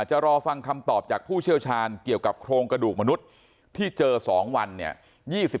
รอฟังคำตอบจากผู้เชี่ยวชาญเกี่ยวกับโครงกระดูกมนุษย์ที่เจอ๒วันเนี่ย